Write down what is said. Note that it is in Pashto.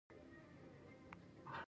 دا اومه مواد باید په داسې توکو بدل شي